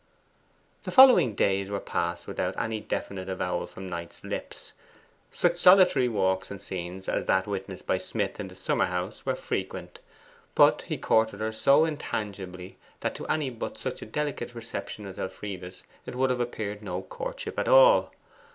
The following days were passed without any definite avowal from Knight's lips. Such solitary walks and scenes as that witnessed by Smith in the summer house were frequent, but he courted her so intangibly that to any but such a delicate perception as Elfride's it would have appeared no courtship at all.